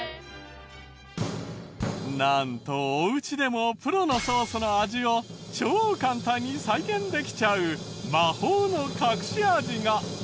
なんとおうちでもプロのソースの味を超簡単に再現できちゃう魔法の隠し味が！